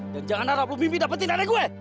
dan jangan harap lo mimpi dapetin adik gue